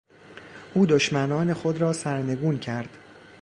او دشمنان خود را سرنگون کرد.